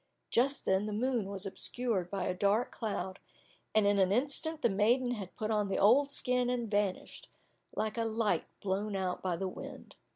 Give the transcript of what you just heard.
Just then the moon was obscured by a dark cloud, and in an instant the maiden had put on the old skin and vanished, like a light blown out by the wind.